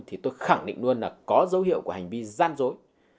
thì tôi khẳng định luôn là có dấu hiệu của hành vi gian dối